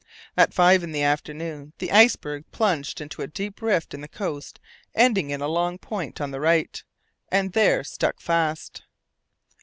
At five in the afternoon, the iceberg plunged into a deep rift in the coast ending in a long point on the right, and there stuck fast.